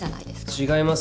違います。